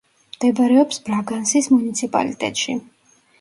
მდებარეობს ბრაგანსის მუნიციპალიტეტში.